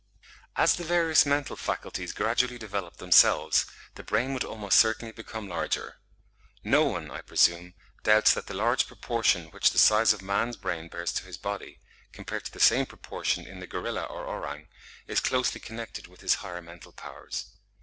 As the various mental faculties gradually developed themselves the brain would almost certainly become larger. No one, I presume, doubts that the large proportion which the size of man's brain bears to his body, compared to the same proportion in the gorilla or orang, is closely connected with his higher mental powers.